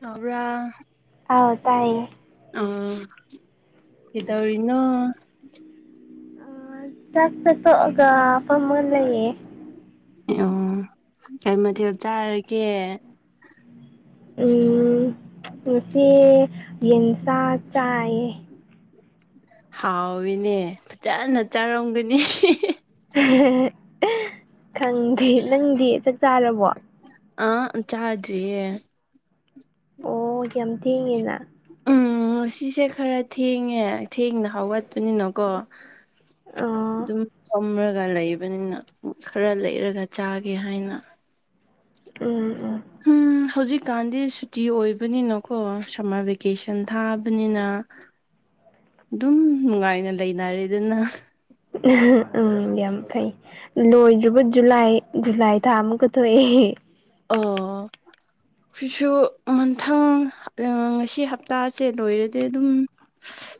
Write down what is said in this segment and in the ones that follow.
ꯇꯥꯕ꯭ꯔꯥ ꯑꯧ ꯇꯥꯏꯌꯦ ꯑ ꯀꯩꯗꯧꯔꯤꯅꯣ ꯆꯥꯛ ꯆꯥ ꯇꯣꯛꯑꯒ ꯐꯝꯃꯥ ꯂꯩꯌꯦ ꯑꯣ ꯀꯩ ꯃꯊꯦꯜ ꯆꯥꯔꯒꯦ ꯎ ꯉꯁꯤ ꯌꯦꯟꯁꯥ ꯆꯥꯏ ꯍꯥꯎꯏꯅꯦ ꯐꯖꯅ ꯆꯥꯔꯝꯒꯅꯤ ꯈꯪꯗꯦ ꯅꯪꯗꯤ ꯆꯥꯛ ꯆꯥꯔꯕꯣ ꯑꯥ ꯆꯥꯗꯔ꯭ꯤꯌꯦ ꯑꯣ ꯌꯥꯝ ꯊꯦꯡꯉꯤꯅ ꯎꯝ ꯉꯁꯤꯁꯦ ꯈꯔ ꯊꯦꯡꯉꯦ ꯊꯦꯡꯅ ꯍꯧꯒꯠꯄꯅꯤꯅꯀꯣ ꯑꯣ ꯑꯗꯨꯝ ꯊꯝꯔꯒ ꯂꯩꯕꯅꯤꯅ ꯈꯔ ꯂꯩꯔꯒ ꯆꯥꯒꯦ ꯍꯥꯏꯅ ꯎꯝ ꯎꯝ ꯍꯧꯖꯤꯛꯀꯥꯟꯗꯤ ꯁꯨꯇꯤ ꯑꯣꯏꯕꯅꯤꯅꯀꯣ ꯁꯝꯃꯔ ꯚꯦꯀꯦꯁꯟ ꯊꯥꯕꯅꯤꯅ ꯑꯗꯨꯝ ꯅꯨꯡꯉꯥꯏꯅ ꯂꯩꯅꯔꯦꯗꯅ ꯎꯝ ꯌꯥꯝ ꯐꯩ ꯂꯣꯏꯗ꯭ꯔꯤꯕ ꯖꯨꯂꯥꯏ ꯖꯨꯂꯥꯏ ꯊꯥ ꯑꯃꯨꯛꯀ ꯊꯣꯛꯑꯦ ꯑꯣ ꯀꯣꯏꯁꯨ ꯃꯥꯊꯪ ꯉꯁꯤ ꯍꯞꯇꯥꯁꯦ ꯂꯣꯏꯔꯗꯤ ꯑꯗꯨꯝ__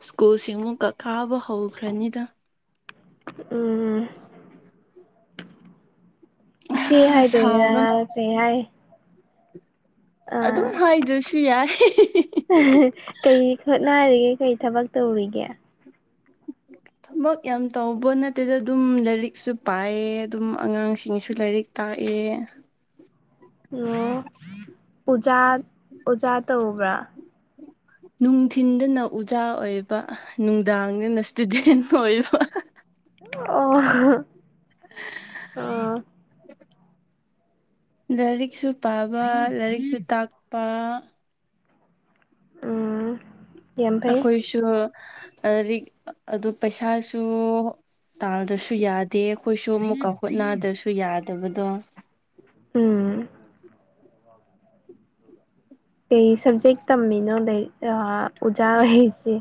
ꯁ꯭ꯀꯨꯜꯁꯤꯡ ꯑꯃꯨꯛ ꯀꯥꯕ ꯍꯧꯈ꯭ꯔꯅꯤꯗ ꯎꯝ ꯏꯆꯦ ꯍꯥꯏꯗꯣꯏꯔ ꯁꯥꯕꯅ ꯀꯩ ꯍꯥꯏ__ ꯑꯗꯨꯝ ꯍꯥꯏꯗ꯭ꯔꯁꯨ ꯌꯥꯏ ꯎꯝ [unintelligible] ꯀꯩ ꯍꯣꯠꯅꯔꯤꯒꯦ ꯀꯩ ꯊꯕꯛ ꯇꯧꯔꯤꯒꯦ ꯊꯕꯛ ꯌꯥꯝ ꯇꯧꯕ ꯅꯠꯇꯦꯗ ꯑꯗꯨꯝ ꯂꯥꯏꯔꯤꯛꯁꯨ ꯄꯥꯏꯌꯦ ꯑꯗꯨꯝ ꯑꯉꯥꯡꯁꯤꯡꯁꯨ ꯂꯥꯏꯔꯤꯛ ꯇꯥꯛꯑꯦ ꯑꯣ ꯎꯖꯥ ꯑꯣꯖꯥ ꯇꯧꯕ꯭ꯔꯥ ꯅꯨꯡꯊꯤꯟꯗꯅ ꯎꯖꯥ ꯑꯣꯏꯕ ꯅꯨꯡꯗꯥꯡꯗꯅ ꯏꯁ꯭ꯇꯨꯗꯦꯟ ꯑꯣꯏꯕ ꯑꯣ ꯑꫭ ꯂꯥꯏꯔꯤꯛꯁꯨ ꯄꯥꯕ ꯂꯥꯏꯔꯤꯛꯁꯨ ꯇꯥꯛꯄ ꯎꯝ ꯌꯥꯝ ꯐꯩ ꯑꯩꯈꯣꯏꯁꯨ ꯂꯥꯔꯤꯛ ꯑꯗꫭ ꯄꯩꯁꯥꯁꯨ ꯇꯥꯜꯗ꯭ꯔꯁꯨ ꯌꯥꯗꯦ ꯑꯩꯈꯣꯏꯁꯨ ꯑꯃꯨꯛꯀ ꯍꯨꯠꯅꯗ꯭ꯔꯁꯨ ꯌꯥꯗꯕꯗꯣ ꯎꯝ ꯀꯩ ꯁꯕꯖꯦꯛ ꯇꯝꯃꯤꯅꯣꯗ ꯂꯥꯏꯛ ꯑꯣꯖꯥ ꯑꯣꯏꯁꯦ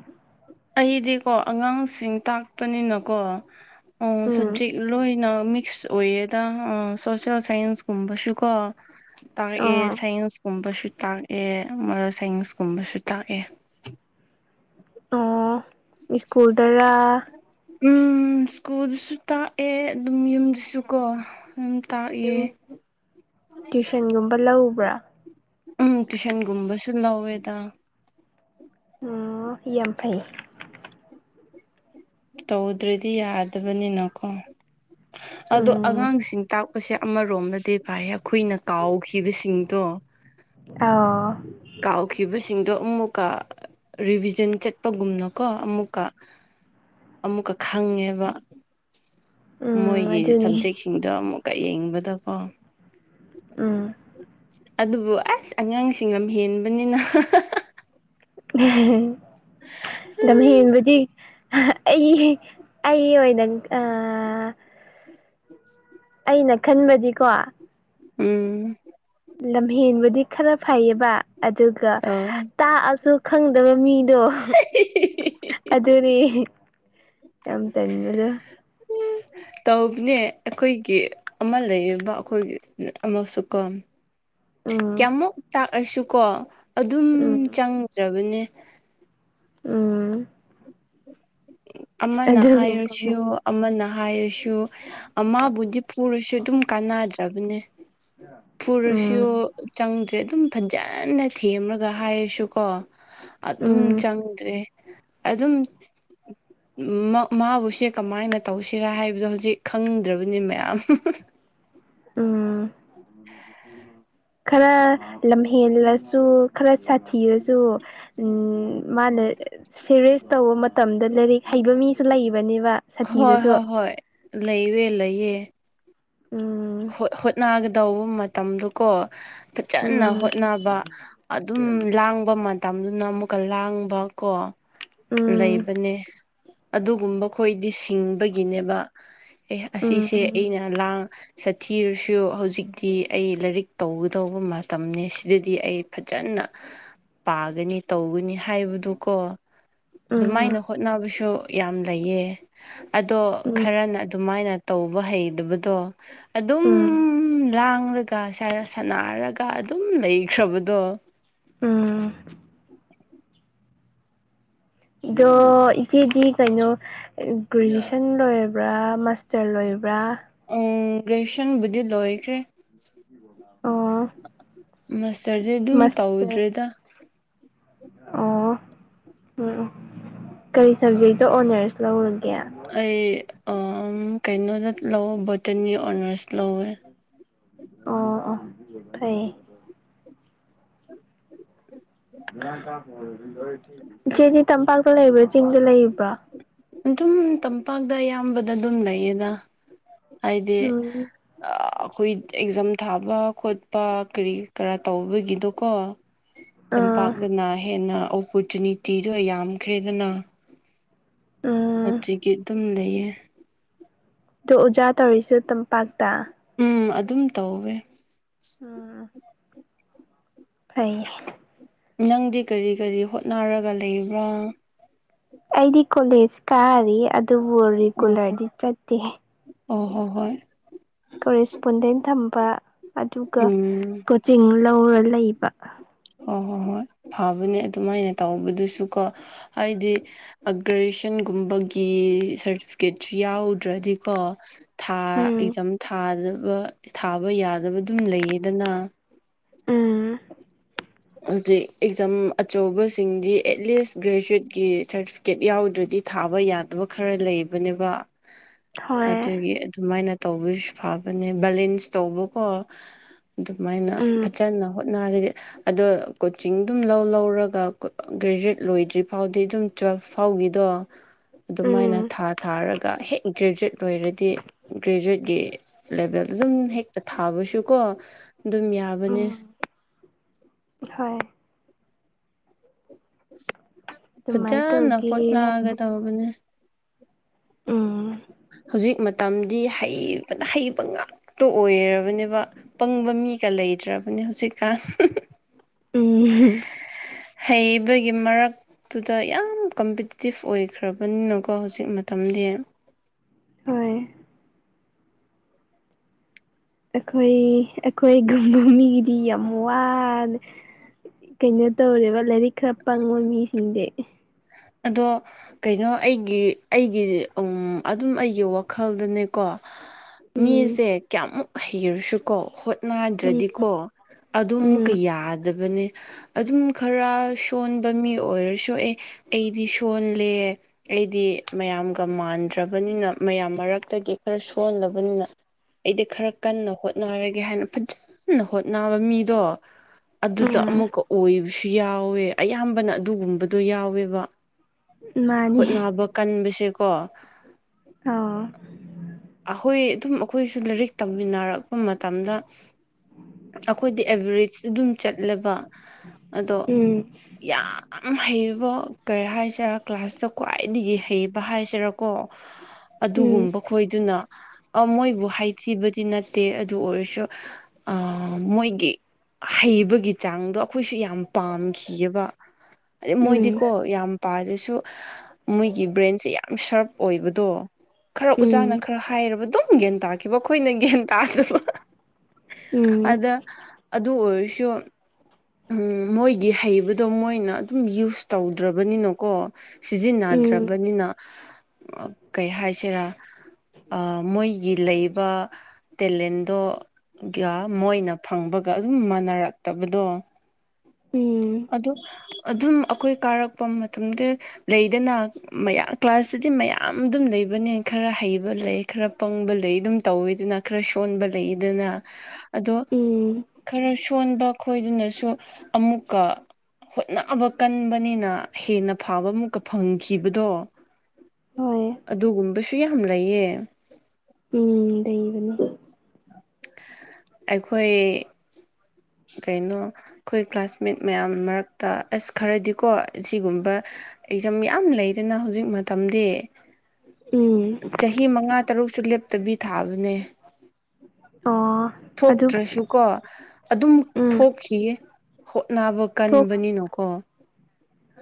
ꯑꯩꯗꯤꯀꯣ ꯑꯉꯥꯡꯁꯤꯡ ꯇꯥꯛꯄꯅꯤꯅꯀꯣ ꯎ ꯎꯝ ꯁꯕꯖꯦꯛ ꯂꯣꯏꯅ ꯃꯤꯛꯁ ꯑꯣꯏꯌꯦꯗ ꯁꯣꯁꯦꯜ ꯁꯥꯏꯟꯁꯀꯨꯝꯕꯁꯨꯀꯣ ꯇꯥꯛꯑꯦ ꯑꯣ ꯁꯥꯏꯟꯁꯀꯨꯝꯕꯁꯨ ꯇꯥꯛꯑꯦ ꯃꫭꯔꯦꯜ ꯁꯥꯏꯟꯁꯀꯨꯝꯕꯁꯨ ꯇꯥꯛꯑꯦ ꯑꯣ ꯏꯁ꯭ꯀꯨꯜ ꯗꯔꯥ ꯎꯝ ꯏꯁ꯭ꯀꯨꯜꯗꯨꯁꯨ ꯇꯥꯛꯑꯦ ꯑꯗꯨꯝ ꯌꯨꯝꯗꯁꯨ ꯀꯣ ꯇꯥꯛꯑꯦ ꯌꯨꯝ ꯇ꯭ꯌꯨꯁꯟꯒꯨꯝꯕ ꯂꯧꯕ꯭ꯔꯥ ꯎꯝ ꯇ꯭ꯌꯨꯁꯟꯒꯨꯝꯕꯁꯨ ꯂꯧꯋꯦꯗ ꯑꯣ ꯌꯥꯝ ꯐꯩ ꯇꯧꯗ꯭ꯔꯗꯤ ꯌꯥꯗꯕꯅꯤꯅꯀꯣ ꯑꯗꯣ ꯎꯝ ꯑꯉꯥꯡꯁꯤꯡ ꯇꯥꯛꯄꯁꯦ ꯑꯃꯔꯣꯝꯗꯗꯤ ꯐꯥꯏꯌꯦ ꯑꯩꯈꯣꯏꯅ ꯀꯥꯎꯈꯤꯕꯁꯤꯡꯗꯣ ꯑꯥꯎ ꯀꯥꯎꯈꯤꯕꯁꯤꯡꯗꯣ ꯑꯃꯨꯛꯀ ꯔꯤꯚꯤꯖꯟ ꯆꯠꯄꯒꯨꯝꯅꯀꯣ ꯑꯃꯨꯛꯀ ꯑꯃꯨꯛꯀ ꯈꯪꯉꯦꯕ ꯎꯝ ꯃꯣꯏꯒꯤ ꯑꯗꯨꯅꯤ ꯁꯕꯖꯦꯛꯁꯤ ꯁꯤꯡꯗꯣ ꯑꯃꯨꯛꯀ ꯌꯦꯡꯕꯗꯀꯣ ꯎꯝ ꯑꯗꯨꯕꯨ ꯑꯁ ꯑꯉꯥꯡꯁꯤꯡ ꯂꯝ ꯍꯦꯟꯕꯅꯤꯅ ꯂꯝꯍꯦꯟꯕꯗꯤ ꯑꯩ ꯑꯩꯒꯤ ꯑꯣꯏꯅ ꯑꯩꯅ ꯈꯟꯕꯗꯤꯀꯣ ꯎꯝ ꯂꯝꯍꯦꯟꯕꯗꯤ ꯈꯔ ꯐꯩꯌꯦꯕ ꯑꯗꯨꯒ ꯑ ꯇꯥꯛꯑꯁꯨ ꯈꯪꯗꯕ ꯃꯤꯗꯣ ꯑꯗꯨꯗꯤ ꯌꯥꯝ ꯇꯟꯕꯗꯨ [unintelligible] ꯇꯧꯕꯅꯦ ꯑꯩꯈꯣꯏꯒꯤ ꯑꯃ ꯂꯩꯌꯦꯕ ꯑꯩꯈꯣꯏꯒꯤ ꯑꯃꯁꯨꯀꯣ ꯎꯝ ꯀꯌꯥꯃꯨꯛ ꯇꯥꯛꯑꯁꯨ ꯀꯣ ꯑꯗꯨ ꯎꯝ ꯆꯪꯗ꯭ꯔꯕꯅꯦ ꯎꯝ ꯑꯃꯅ ꯑꯗꯨꯒꯨꯝꯕ ꯍꯥꯏꯔꯁꯨ ꯃꯤ ꯑꯃꯅ ꯍꯥꯏꯔꯁꯨ ꯁꯨ ꯑꯃꯕꯨꯗꯤ ꯐꯨꯔꯁꯨ ꯑꯗꯨꯝ ꯀꯥꯟꯅꯗ꯭ꯔꯕꯅꯦ ꯐꯔꯁꯨ ꯎꯝ ꯆꯪꯗ꯭ꯔꯦ ꯗ꯭ꯔꯦ ꯑꯗꯨꯝ ꯐꯖꯅ ꯊꯦꯝꯃꯒ ꯍꯥꯏꯔꯁꯨꯀꯣ ꯑꯗꯨꯝ ꯎꯝ ꯆꯪꯗ꯭ꯔꯦ ꯑꯗꯨꯝ ꯃꯥꯕꯨꯁꯦ ꯀꯃꯥꯏꯅ ꯇꯧꯁꯤꯔꯥ ꯍꯥꯏꯕꯗꯣ ꯍꯧꯖꯤꯛ ꯈꯪꯗ꯭ꯔꯕꯅꯤ ꯃꯌꯥꯝ ꯎꯝ [inaudible] ꯈꯔ ꯂꯝꯍꯦꯜꯂꯁꯨ ꯈꯔ ꯁꯥꯊꯤꯔꯁꯨ ꯎꯝ ꯃꯥꯅ ꯁꯦꯔꯦꯁ ꯇꯧꯕ ꯃꯇꯝꯗ ꯂꯩꯔꯤꯛ ꯍꯩꯕ ꯃꯤꯁꯨ ꯂꯩꯕꯅꯦꯕ ꯍꯣꯏ ꯁꯥꯊꯤꯔꯁꯨ ꯍꯣꯏ ꯍꯣꯏ ꯂꯩꯌꯦ ꯂꯩꯌꯦ ꯎꯝ ꯍꯣꯠꯅꯒꯗꯧꯕ ꯃꯇꯝꯗꯨꯀꯣ ꯐꯖꯅ ꯎꯝ ꯍꯣꯠꯅꯕ ꯑꯗꯨꯝ ꯂꯥꯡꯕ ꯃꯇꯝꯗꯨꯅ ꯑꯃꯨꯛꯀ ꯂꯥꯡꯕ ꯀꯣ ꯎꯝ ꯂꯩꯕꯅꯦ ꯑꯗꯨꯒꯨꯝꯕ ꯈꯣꯏꯗꯤ ꯁꯤꯡ ꯒꯤꯅꯦꯕ ꯑꯦ ꯑꯁꯤꯁꯦ ꯎꯝ ꯑꯩꯅ ꯂꯥꯡ ꯁꯥꯊꯤꯔꯁꯨ ꯍꯧꯖꯤꯛꯇꯤ ꯑꯩ ꯂꯥꯏꯔꯤꯛ ꯇꯧꯒꯗꯧꯕ ꯃꯇꯝꯅꯤ ꯁꯤꯗꯗꯤ ꯑꯩ ꯐꯖꯅ ꯄꯥꯒꯅꯤ ꯇꯧꯒꯅꯤ ꯍꯥꯏꯕꯗꯨꯀꯣ ꯎꯝ ꯑꯗꯨꯃꯥꯏꯅ ꯍꯣꯠꯅꯕꯁꯨ ꯌꯥꯝ ꯂꯩꯌꯦ ꯑꯗꯣ ꯎꯝ ꯎꯝ ꯈꯔꯅ ꯑꯗꯨꯃꯥꯏꯅ ꯇꯧꯕ ꯍꯩꯇꯕꯗꯣ ꯑꯗꯨꯝ ꯎꯝ ꯂꯥꯡꯂꯒ ꯁꯅꯔꯒ ꯑꯗꯨꯝ ꯂꯩꯈ꯭ꯔꯕꯗꯣ ꯎꯝ ꯑꯗꯣ ꯏꯆꯦꯗꯤ ꯀꯩꯅꯣ ꯒ꯭ꯔꯦꯖꯨꯌꯦꯁꯟ ꯂꯣꯏꯔꯕ꯭ꯔꯥ ꯃꯥꯁꯇꯔ ꯂꯣꯏꯕ꯭ꯔꯥ ꯒ꯭ꯔꯦꯖꯨꯌꯦꯁꯟꯕꯨꯗꯤ ꯂꯣꯏꯈ꯭ꯔꯦ ꯍꯜꯂꯣ ꯃꯁꯇꯔꯗꯤ ꯑꯗꯨꯝ ꯃꯥꯁꯇꯔ ꯇꯧꯗ꯭ꯔꯦꯗ ꯑꯣ ꯎꯝ ꯀꯔꯤ ꯁꯕꯖꯦꯛꯇ ꯑꯣꯅꯔꯁ ꯂꯧꯔꯒꯦ ꯑꯣ ꯑꯩ ꯀꯩꯅꯣꯗ ꯂꯧ ꯕꯣꯇꯟꯅꯤ ꯑꯣꯅꯔꯁ ꯂꯧꯋꯦ ꯑꯣ ꯑꯣ ꯐꯩꯌꯦ ꯏꯆꯦꯆꯦ ꯇꯝꯄꯥꯛꯇ ꯂꯩꯕ꯭ꯔꯥ ꯆꯤꯡꯗ ꯂꯩꯕ꯭ꯔꯥ ꯑꯗꯨꯝ ꯇꯝꯄꯥꯛꯇ ꯑꯌꯥꯝꯕꯗ ꯑꯗꯨꯝ ꯂꯩꯌꯦꯗ ꯑꯩꯗꯤ ꯎꯝ ꯑꯩꯈꯣꯏ ꯑꯦꯛꯖꯥꯝ ꯊꯥꯕ ꯈꯣꯠ ꯄꯥ ꯀꯔꯤ ꯀꯔꯥ ꯇꯧꯕꯒꯤꯗꯣꯀꯣ ꯑꯥ ꯇꯝꯄꯥꯛꯇꯅ ꯍꯦꯟꯅ ꯑꯣꯄꯨꯔꯆꯨꯅꯤꯇꯤꯗꯣ ꯌꯥꯝꯈ꯭ꯔꯦꯗꯅ ꯑꯝ ꯍꯧꯖꯤꯛꯇꯤ ꯑꯗꯨꯝ ꯂꯩꯌꯦ ꯑꯗꯣ ꯑꯣꯖꯥ ꯇꯧꯔꯤꯁꯨ ꯇꯝꯄꯥꯛꯇ ꯎꯝ ꯑꯗꯨꯝ ꯇꯧꯋꯦ ꯎꯝ ꯐꯩ ꯅꯪꯗꯤ ꯀꯔꯤ ꯀꯔꯤ ꯍꯣꯠꯅꯔꯒ ꯂꯩꯕ꯭ꯔꯥ ꯑꯩꯗꯤ ꯀꯣꯂꯦꯖ ꯀꯥꯔꯤ ꯑꯗꯨꯕꯨ ꯍꯧꯖꯤꯛ ꯀꯣꯂꯦꯖꯇꯤ ꯆꯠꯇꯦ ꯍꯣꯢ ꯍꯣꯏ ꯀꯔꯤꯁꯄꯣꯟꯗꯦꯟ ꯊꯝꯕ ꯑꯗꯨꯒ ꯎꯝ ꯀꯣꯆꯤꯡ ꯂꯧꯔ ꯂꯩꯕ ꯑꯣ ꯍꯣꯏ ꯍꯣꯏ ꯐꯕꯅꯦ ꯑꯗꯨꯃꯥꯏꯅ ꯇꯧꯕꯗꯨꯁꯨꯀꯣ ꯍꯥꯏꯗꯤ ꯑꯒ꯭ꯔꯦꯖꯦꯁꯟꯒꯨꯝꯕꯒꯤ ꯁꯥꯔꯇꯤꯐꯤꯀꯦꯠꯁꯨ ꯌꯥꯎꯗ꯭ꯔꯗꯤꯀꯣ ꯎꯝ ꯑꯦꯛꯖꯥꯝ ꯊꯥꯗꯕ ꯊꯥꯕ ꯌꯥꯗꯕ ꯑꯗꯨꯝ ꯂꯩꯌꯦꯗꯅ ꯎꯝ ꯍꯧꯖꯤꯛ ꯑꯦꯛꯖꯥꯝ ꯑꯆꯧꯕꯁꯤꯡꯗꯤ ꯑꯦꯠꯂꯤꯁ ꯒ꯭ꯔꯦꯖꯨꯋꯦꯠꯀꯤ ꯁꯥꯔꯇꯤ ꯀꯦꯠ ꯌꯥꯎꯗ꯭ꯔꯗꯤ ꯊꯥꯕ ꯌꯥꯗꯕ ꯈꯔ ꯂꯩꯕꯅꯦꯕ ꯍꯣꯏ ꯑꯗꯨꯒꯤ ꯑꯗꯨꯃꯥꯏꯅ ꯇꯧꯕꯁꯨ ꯐꯕꯅꯦ ꯕꯦꯂꯦꯟꯁ ꯇꯧꯕꯀꯣ ꯑꯗꯨꯃꯥꯏꯅ ꯎꯝ ꯐꯖꯅ ꯍꯣꯠꯅꯔꯗꯤ ꯑꯗꯣ ꯀꯣꯆꯤꯡ ꯑꯗꯨꯝ ꯂꯧ ꯂꯧꯔꯒ ꯒ꯭ꯔꯦꯖꯨꯋꯦꯠ ꯂꯣꯏꯗ꯭ꯔꯤ ꯐꯥꯎꯗꯤ ꯑꯗꯨꯝ ꯇꯨꯋꯦꯜꯐ ꯐꯥꯎꯒꯤꯗꯣ ꯎꯝ ꯑꯗꯨꯃꯥꯏꯅ ꯊꯥ ꯊꯥꯔꯒ ꯍꯦꯛ ꯒ꯭ꯔꯦꯖꯨꯋꯦꯠ ꯂꯣꯏꯔꯗꯤ ꯒ꯭ꯔꯦꯖꯨꯋꯦꯠꯀꯤ ꯂꯦꯚꯦꯜ ꯑꯗꯨꯝ ꯍꯦꯛꯇ ꯊꯥꯕꯁꯨꯀꯣ ꯑꯗꯨꯝ ꯌꯥꯕꯅꯦ ꯎꯝ ꯍꯣꯏ ꯑꯗꯨꯃꯥꯏꯅ ꯐꯖꯅ ꯇꯧꯒꯦ ꯍꯣꯠꯅꯒ ꯍꯥꯏꯅ ꯇꯧꯕꯅꯦ ꯎꯝ ꯍꯧꯖꯤꯛ ꯃꯇꯝꯗꯤ ꯍꯩꯕꯅ ꯍꯩꯕ ꯉꯥꯛ ꯇꯣ ꯑꯣꯏꯔꯕꯅꯦꯕ ꯄꯪꯕ ꯃꯤꯒ ꯂꯩꯇ꯭ꯔꯕꯅꯦ ꯍꯧꯖꯤꯛꯀꯥꯟ꯫ ꯎꯝ ꯍꯩꯕꯒꯤ ꯃꯔꯛ ꯑꯗꯨꯨꯗ ꯌꯥꯝ ꯀꯝꯄꯤꯇꯤꯇꯤꯞ ꯑꯣꯏꯈ꯭ꯔꯕꯅꯤꯅꯀꯣ ꯍꯧꯖꯤꯛ ꯃꯇꯝꯗꯤ꯫ [unintelligible] ꯍꯣꯏ [inaudible] ꯑꯩꯈꯣꯏ ꯑꯩꯈꯣꯏ ꯒꯨꯝꯕ ꯃꯤꯒꯤꯗꯤ ꯌꯥꯝ ꯋꯥꯔꯦ ꯀꯩꯅꯣ ꯇꯧꯔꯦꯕ ꯂꯥꯏꯔꯤꯛ ꯈꯔ ꯄꯪꯉꯣ ꯃꯤꯁꯤꯡꯗꯤ ꯑꯗꯣ꯫ ꯀꯩꯅꯣ ꯑꯩꯒꯤ ꯑꯩꯒꯤ ꯎꯝ ꯑꯗꯨꯝ ꯑꯩꯒꯤ ꯋꯥꯈꯜꯗꯅꯦꯀꯣ ꯎꯝ ꯃꯤꯁꯦ ꯀꯌꯥꯃꯨꯛ ꯍꯩꯔꯁꯨꯀꯣ ꯍꯣꯏ ꯎꯝ ꯅꯥꯏꯗ꯭ꯔꯗꯤꯀꯣ ꯑꯗꯨ ꯎꯝ ꯑꯃꯨꯛꯀ ꯌꯥꯗꯕꯅꯦ ꯑꯗꯨꯝ ꯈꯔ ꯁꯣꯟꯕ ꯃꯤ ꯑꯣꯏꯔꯁꯨ ꯑꯦ ꯑꯩꯗꯤ ꯁꯣꯜꯂꯦ꯫ ꯑꯩꯗꯤ ꯃꯌꯥꯝꯒ ꯃꯥꯟꯗ꯭ꯔꯕꯅꯤꯅ ꯃꯌꯥꯝ ꯃꯔꯛꯇꯒꯤ ꯈꯔ ꯁꯣꯟꯜꯂꯕꯅꯤꯅ꯫ ꯑꯩꯗ ꯈꯔ ꯀꯟꯅ ꯍꯣꯠꯅꯔꯒꯦ ꯍꯥꯏꯅ ꯐꯖꯅ ꯍꯣꯠꯅꯕ ꯃꯤꯗꯣ ꯑꯗꯨꯗ ꯎꯝ ꯑꯃꯨꯛꯀ ꯑꯣꯏꯕꯁꯨ ꯌꯥꯎꯋꯦ ꯑꯌꯥꯝꯕꯅ ꯑꯗꯨꯒꯨꯝꯕꯗꯣ ꯌꯥꯎꯋꯦꯕ ꯃꯥꯅꯤ ꯍꯣꯠꯅꯕ ꯀꯟꯕꯁꯦꯀꯣ꯫ ꯑꯥꯎ ꯑꯩꯍꯣꯏ ꯑꯗꯨꯝ ꯑꯩꯈꯣꯏꯁꯨ ꯂꯥꯏꯔꯤꯛ ꯇꯝꯃꯤꯟꯅꯔꯛꯄ ꯃꯇꯝꯗ ꯑꯩꯈꯣꯏꯗꯤ ꯑꯦꯚꯔꯦꯁ ꯑꯗꯨꯝ ꯆꯠꯂꯦꯕ ꯑꯗꯣ ꯎꯝ ꯫ ꯌꯥꯝ ꯍꯩꯕꯣ꯫ ꯀꯩ ꯍꯥꯏꯁꯤꯔ ꯀ꯭ꯂꯥꯁꯇ ꯈ꯭ꯋꯥꯏꯗꯒꯤ ꯍꯩꯕ ꯍꯥꯏꯁꯤꯔꯀꯣ ꯎꯝ ꯑꯗꯨꯒꯨꯝꯕ꯫ ꯈꫭꯏꯗꯨꯅ ꯑꯃꯣꯏꯕꯨ ꯍꯥꯏꯊꯤꯕꯗꯤ ꯅꯠꯇꯦ ꯑꯗꯨ ꯑꯣꯏꯔꯁꯨ꯫ ꯑꯥ ꯃꯣꯏꯒꯤ꯫ ꯍꯩꯕꯒꯤ ꯆꯥꯡꯗꯣ ꯑꯈꯣꯏꯁꯨ ꯌꯥꯝ ꯄꯥꯝꯈꯤꯌ‌ꯦꯕ꯫ ꯑꯗꯩ ꯎꯝ ꯃꯣꯏꯗꯤꯀꯣ ꯌꯥꯝ ꯄꯥꯗꯁꯨ ꯃꯣꯏꯒꯤ ꯕ꯭ꯔꯦꯟꯁꯦ ꯌꯥꯝ ꯁꯥꯔꯞ ꯑꯣꯏꯕꯗꯣ‌꯫ ꯈꯔ ꯎꯝ ꯎꯖꯥꯅ ꯈꯔ ꯍꯥꯏꯔꯕ ꯑꯗꯨꯝ ꯒ꯭ꯌꯥꯟ ꯇꯥꯈꯤꯕ ꯑꯈꯣꯏꯅ ꯒ꯭ꯌꯥꯟ ꯇꯥꯗꯕ꯫ ꯎꯝ ꯑꯗ꯫ ꯑꯗꯨ ꯑꯣꯏꯔꯁꯨ ꯃꯣꯏꯒꯤ ꯍꯩꯕꯗꯣ ꯃꯣꯏꯅ ꯑꯗꯨꯝ ꯌꯨꯁ꯫ ꯇꯧꯗ꯭ꯔꯕꯅꯤꯅꯀꯣ ꯎꯝ ꯁꯤꯖꯤꯟꯅꯗ꯭ꯔꯕꯅꯤꯅ꯫ ꯀꯩ ꯍꯥꯏꯁꯤꯔ ꯑꯥ ꯃꯣꯏꯒꯤ ꯂꯩꯕ꯫ ꯇꯦꯂꯦꯟꯗꯣꯒ ꯃꯣꯏꯅ ꯐꯪꯕꯒ ꯑꯗꯨꯝ ꯃꯥꯟꯅꯔꯛꯇꯕꯗꯣ꯫ ꯎꯝ꯫ ꯑꯗꯨ ꯑꯗꯨꯝ ꯑꯈꯣꯏ ꯀꯥꯔꯛꯄ ꯃꯇꯝꯗ ꯂꯩꯗꯅ꯫ ꯃꯌꯥꯝ ꯀ꯭ꯂꯥꯁꯇꯗꯤ ꯃꯌꯥꯝ ꯑꯗꯨꯝ ꯂꯩꯕꯅꯦ ꯈꯔ ꯍꯩꯕ ꯂꯩ ꯈꯔ ꯄꯪꯕ ꯂꯩ ꯑꯗꯨꯝ ꯇꯧꯋꯦꯗꯅ꯫ ꯈꯔ ꯁꯣꯟꯕ ꯂꯩꯗꯅ꯫ ꯑꯗꯣ ꯎꯝ ꯈꯔ ꯁꯣꯟꯕ ꯈꯣꯏꯗꯨꯅꯁꯨ ꯑꯃꯨꯛꯀ꯫ ꯍꯣꯠꯅꯕ ꯀꯟꯕꯅꯤꯅ ꯍꯦꯟꯅ ꯐꯕ ꯑꯃꯨꯛꯀ ꯐꯪꯈꯤꯕꯗꯣ꯫ ꯍꯣꯏ ꯑꯗꯨꯒꯨꯝꯕꯁꯨ ꯌꯥꯝ ꯂꯩꯌꯦ꯫ ꯎꯝ꯫ ꯂꯩꯕꯅꯦ ꯑꯩꯈꯣꯏ꯫ ꯀꯩꯅꯣ ꯑꯈꯣꯏ ꯀ꯭ꯂꯥꯁꯃꯦꯠ ꯃꯌꯥꯝ ꯃꯔꯛꯇ ꯑꯁ ꯈꯔꯗꯤꯀꯣ ꯑꯁꯤꯒꯨꯝꯕ꯫ ꯑꯦꯛꯖꯝ ꯌꯥꯝ ꯂꯩꯗꯅ ꯍꯧꯖꯤꯛ ꯃꯇꯝꯗꯤ꯫ ꯎꯝ ꯆꯍꯤ ꯃꯉꯥ ꯇꯔꯨꯛꯁꯨ ꯂꯦꯞ꯫ ꯇꯕꯤ ꯊꯥꯕꯅꯦ ꯑꯣ ꯑꯗꯨ ꯊꯣꯛꯇ꯭ꯔꯁꯨꯀꯣ ꯑꯗꯨꯝ꯫ ꯎꯝ ꯈꯤꯌ‌ꯦ ꯍꯣꯠꯅꯕ ꯊꯣꯛ ꯀꯟꯕꯅꯤꯅꯣꯀꯣ꯫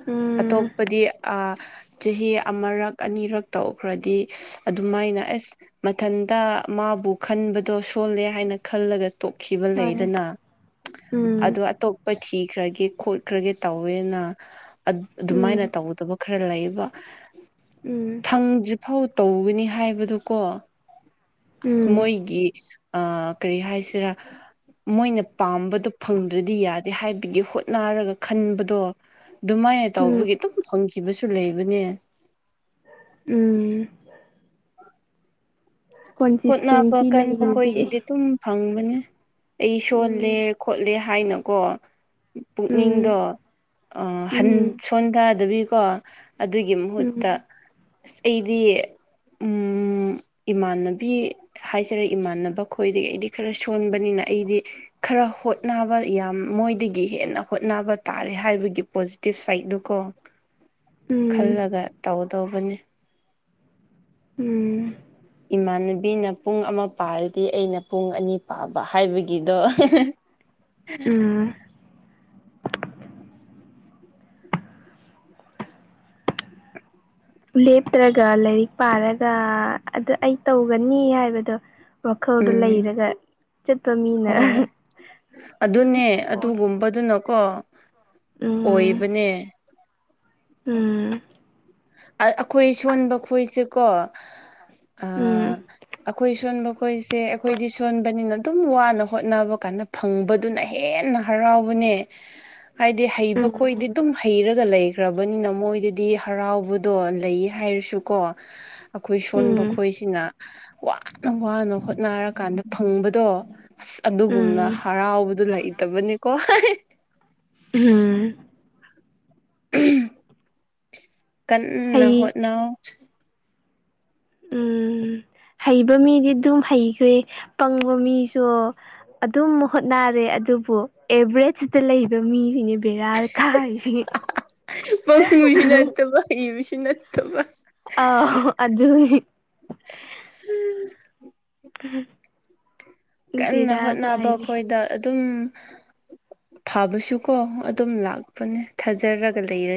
ꯎꯝ ꯑꯇꯣꯞꯄꯗꯤ ꯑꯥ꯫ ꯆꯍꯤ ꯑꯃꯔꯛ ꯑꯅꯤꯔꯛ ꯇꯧꯈ꯭ꯔꯗꯤ ꯑꯗꯨꯃꯥꯏꯅ ꯑꯁ꯫ ꯃꯊꯟꯇ ꯃꯥꯕꯨ ꯈꯟꯕꯗꯣ ꯁꯣꯜꯂꯦ ꯍꯥꯏꯅ ꯈꯜꯂꯒ ꯇꯣꯛꯈꯤꯕ ꯍꯣꯏ ꯂꯩꯗꯅ꯫ ꯎꯝ ꯑꯗꯨ ꯑꯇꯣꯞꯄ ꯊꯤꯈ꯭ꯔꯒꯦ ꯈꯣꯠꯈ꯭ꯔꯒꯦ ꯇꯧꯋꯦꯅ꯫ ꯑꯗꯨꯃꯥꯏꯅ ꯎꯝ ꯇꯧꯗꯕ ꯈꯔ ꯂꯩꯕ꯫ ꯎꯝ ꯐꯪꯗ꯭ꯔꯤꯐꯥꯎ ꯇꯧꯒꯅꯤ ꯍꯥꯏꯕꯗꯨ ꯀꯣ꯫ ꯑꯁ ꯎꯝ ꯃꯣꯏꯒꯤ ꯀꯔꯤ ꯍꯥꯏꯁꯤꯔ ꯃꯣꯏꯅ꯫ ꯄꯥꯝꯕꯗꯣ ꯐꯪꯗ꯭ꯔꯗꯤ ꯌꯥꯗꯦ ꯍꯥꯏꯕꯒꯤ ꯍꯣꯠꯅꯔꯒ ꯈꯟꯕꯗꯣ꯫ ꯑꯗꯨꯃꯥꯏꯅ ꯎꯝ ꯇꯧꯕꯒꯤ ꯑꯗꯨꯝ ꯐꯪꯈꯤꯕꯁꯨ ꯂꯩꯕꯅꯦ꯫ ꯎꯝ꯫ ꯍꯣꯠꯅꯕ ꯀꯣꯟꯁꯤꯁꯇꯦꯟꯁꯤ ꯀꯟꯕ ꯂꯩꯔꯗꯤ ꯈꯣꯏꯒꯤꯗꯤ ꯇꯨꯝ꯫ ꯐꯪꯕꯅꯦ ꯑꯩ ꯁꯣꯜꯂꯦ ꯎꯝ ꯈꯣꯠꯂꯦ ꯍꯥꯏꯅꯀꯣ꯫ ꯎꯝ ꯄꯨꯛꯅꯤꯡꯗꯣ꯫ ꯎꯝ ꯁꯣꯟꯀꯗꯕꯤꯀꯣ ꯑꯗꯨꯒꯤ ꯃꯍꯨꯠꯇ꯫ ꯎꯝ ꯑꯁ ꯑꯩꯗꯤ ꯎꯝ꯫ ꯏꯃꯥꯟꯅꯕꯤ ꯍꯥꯏꯁꯤꯔꯥ ꯏꯃꯥꯟꯅꯕ ꯈꯣꯏꯗꯒꯤ ꯑꯩꯗꯤ ꯈꯔ ꯁꯣꯟꯕꯅꯤꯅ ꯑꯩꯗꯤ꯫ ꯈꯔ ꯍꯣꯠꯅꯕ ꯌꯥꯝ ꯃꯣꯏꯗꯒꯤ ꯍꯦꯟꯅ ꯍꯣꯠꯅꯕ ꯇꯥꯔꯦ ꯍꯥꯏꯕꯒꯤ ꯄꯣꯖꯤꯇꯤꯚ ꯁꯥꯏꯠꯇꯨ ꯀꯣ꯫ [inaudible] ꯎꯝ꯫ ꯈꯜꯂꯒ ꯇꯧꯗꯧꯕꯅꯤ꯫ ꯎꯝ꯫ ꯏꯃꯥꯟꯅꯕꯤꯅ ꯄꯨꯡ ꯑꯃ ꯄꯥꯔꯗꯤ ꯑꯩꯅ ꯄꯨꯡ ꯑꯅꯤ ꯄꯥꯕ ꯍꯥꯏꯕꯒꯤꯗꯣ꯫ [inaudible] ꯎꯝ꯫ ꯂꯦꯞꯇ꯭ꯔꯒ ꯂꯥꯏꯔꯤꯛ ꯄꯥꯔꯒ ꯑꯗꯨ ꯑꯩ ꯇꯧꯒꯅꯤ ꯍꯥꯏꯕꯗꯣ ꯋꯥꯈꯜꯗꯣ ꯎꯝ ꯂꯩꯔꯒ ꯆꯠꯄ ꯃꯤꯅ ꯍꯣꯏ ꯑꯗꯨꯅꯦ ꯑꯣꯏ ꯑꯗꯨꯒꯨꯝꯕꯗꯨꯅꯀꯣ ꯎꯝ ꯑꯣꯏꯕꯅꯦ ꯎꯝ ꯑꯩꯈꯣꯏ ꯁꯣꯟꯕ ꯈꯣꯏꯁꯦꯀꯣ ꯑꯥ ꯎꯝ ꯑꯩꯈꯣꯏ ꯁꯣꯟꯕ ꯈꯣꯏꯁꯦ ꯑꯩꯈꯣꯏꯗꯤ ꯁꯣꯟꯕꯅꯤꯅ ꯑꯗꯨꯝ ꯋꯥꯅ ꯍꯣꯠꯅꯕ ꯀꯥꯟꯗ ꯐꯪꯕꯗꯨꯅ ꯍꯦꯟꯅ ꯍꯔꯥꯎꯕꯅꯦ ꯍꯥꯏꯗꯤ ꯍꯩꯕ ꯎꯝ ꯈꯣꯏꯗꯤ ꯑꯗꯨꯝ ꯍꯩꯔꯒ ꯂꯩꯈ꯭ꯔꯕꯅꯤꯅ ꯃꯣꯏꯗꯗꯤ ꯍꯔꯥꯎꯕ ꯑꯗꯣ ꯂꯩ ꯍꯥꯏꯔꯁꯨꯀꯣ ꯑꯩꯈꯣꯏ ꯁꯣꯟꯕ ꯎꯝ ꯈꯣꯏꯁꯤꯅ ꯋꯥꯅ ꯋꯥꯅ ꯍꯣꯠꯅꯔꯀꯥꯟꯗ ꯐꯪꯕꯗꯣ ꯑꯁ ꯑꯗꯨꯒꯨꯝꯅ ꯎꯝ ꯍꯔꯥꯎꯕꯗꯨ ꯂꯩꯇꯕꯅꯤꯀꯣ ꯎꯝ ꯎꯝ ꯀꯟꯅ ꯍꯩ ꯍꯣꯠꯅꯧ ꯎꯝ ꯍꯩꯕ ꯃꯤꯗꯤ ꯑꯗꯨꯝ ꯍꯩꯈ꯭ꯔꯦ ꯄꯪꯕ ꯃꯤꯁꯨ ꯑꯗꯨꯝ ꯍꯣꯠꯅꯔꯦ ꯑꯗꯨꯕꯨ ꯑꯦꯚꯔꯦꯖꯇ ꯂꯩꯕ ꯃꯤꯁꯤꯅꯦ ꯕꯦꯔꯥ ꯀꯥꯔꯤꯁꯤ ꯄꯪꯕꯁꯨ ꯅꯠꯇꯕ ꯍꯩꯕꯁꯨ ꯅꯠꯇꯕ ꯑꯧ ꯑꯗꯨꯒꯤ ꯎꯝ ꯎꯝ [unintelligible] ꯀꯟꯅ ꯍꯣꯠꯅꯕ ꯑꯩꯈꯣꯏꯗ ꯑꯗꯨꯝ ꯐꯥꯕꯁꯨ ꯀꯣ ꯑꯗꯨꯝ ꯂꯥꯛꯄꯅꯦ ꯊꯥꯖꯔꯒ ꯂꯩꯔ